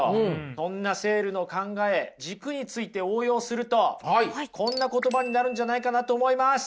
そんなセールの考え軸について応用するとこんな言葉になるんじゃないかなと思います。